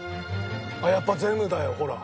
やっぱゼムだよほら。